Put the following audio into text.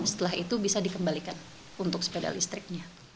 setelah itu bisa dikembalikan untuk sepeda listriknya